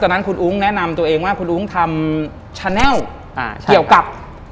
นั้นคุณอุ้งแนะนำตัวเองว่าคุณอุ้งทำชาแนลเกี่ยวกับ